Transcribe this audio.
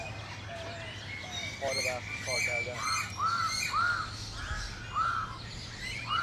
پاره وقت کارکردن